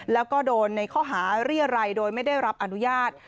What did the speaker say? แล้วก็โดนในข้อหาเรียรัยโดยไม่ได้รับอนุญาต